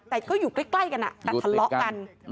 แต่ก็อยู่ใกล้กันแต่ทะเลาะกัน